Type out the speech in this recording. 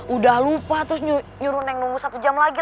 udah lupa terus nyuruh neng nunggu satu jam lagi